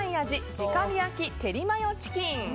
直火焼テリマヨチキン。